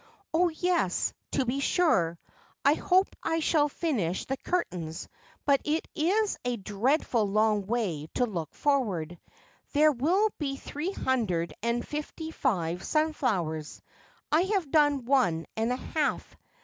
' Oh yes, to be sure. I hope I shall finish the curtains ; but it is a dreadful long way to look forward. There will be three hundred and fifty five sunflowers. I have done one and a half.